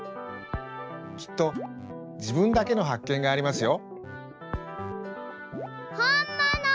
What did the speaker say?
きっとじぶんだけのはっけんがありますよ。